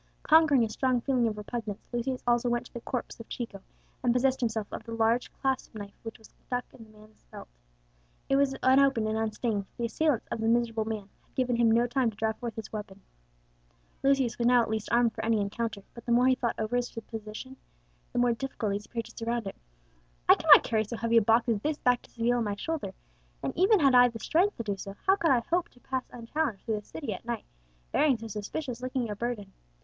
Conquering a strong feeling of repugnance, Lucius also went to the corpse of Chico, and possessed himself of the large clasp knife which was stuck in the dead man's belt. It was unopened and unstained; the assailants of the miserable man had given him no time to draw forth his weapon. Lucius was now at least armed for any encounter; but the more he thought over his position, the more difficulties appeared to surround it. "I cannot carry so heavy a box as this back to Seville on my shoulder; and even had I the strength to do so, how could I hope to pass unchallenged through the city at night, bearing so suspicious looking a burden?